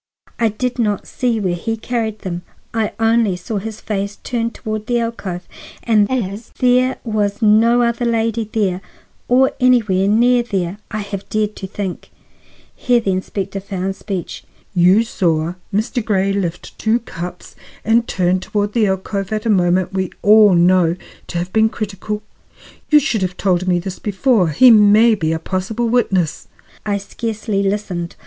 I did not see where he carried them; I only saw his face turned toward the alcove; and as there was no other lady there, or anywhere near there, I have dared to think—" Here the inspector found speech. "You saw Mr. Grey lift two cups and turn toward the alcove at a moment we all know to have been critical? You should have told me this before. He may be a possible witness." I scarcely listened.